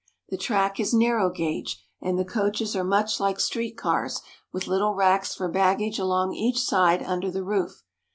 The track is narrow gauge, and the coaches are much like street cars, with little racks for baggage along each side under the roof.